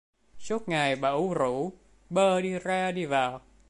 Suốt ngày bà ủ rũ bơ đi ra đi vào